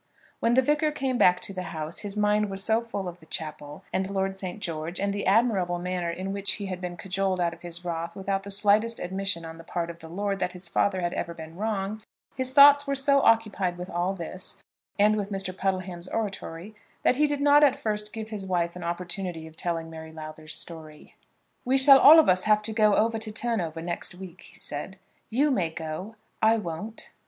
When the Vicar came back to the house, his mind was so full of the chapel, and Lord St. George, and the admirable manner in which he had been cajoled out of his wrath without the slightest admission on the part of the lord that his father had ever been wrong, his thoughts were so occupied with all this, and with Mr. Puddleham's oratory, that he did not at first give his wife an opportunity of telling Mary Lowther's story. "We shall all of us have to go over to Turnover next week," he said. "You may go. I won't."